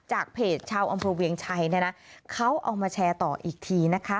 เพจชาวอำเภอเวียงชัยเนี่ยนะเขาเอามาแชร์ต่ออีกทีนะคะ